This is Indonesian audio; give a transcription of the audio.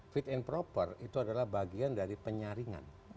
fit and proper itu adalah bagian dari penyaringan